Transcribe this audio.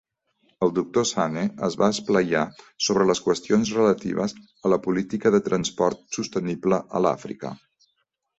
El Dr. Sane es va esplaiar sobre les qüestions relatives a la política de transport sostenible a l'Àfrica.